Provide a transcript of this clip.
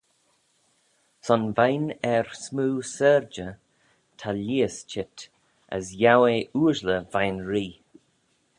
Son veih'n er smoo syrjey ta lheiys cheet, as yiow eh ooashley veih'n Ree.